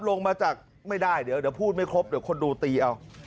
ลงมาจากไม่ได้เดี๋ยวพูดไม่ครบเดี๋ยวคนดูตีเอา